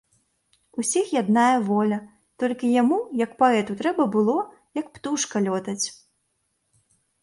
Усіх яднае воля, толькі яму як паэту трэба было, як птушка, лётаць.